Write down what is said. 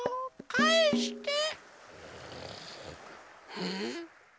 うん？